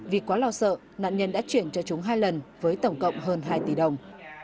vì quá lo sợ nạn nhân đã chuyển cho chúng hai lần với tổng cộng hơn hai tỷ đồng